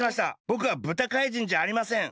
ぼくは豚怪人じゃありません！